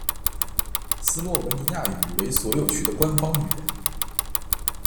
斯洛文尼亚语为所有区的官方语言。